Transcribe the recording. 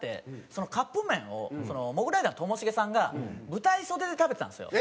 そのカップ麺をモグライダーのともしげさんが舞台袖で食べてたんですよ。